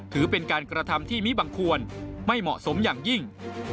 ถือเป็นการกระทำที่มิบังควรไม่เหมาะสมอย่างยิ่ง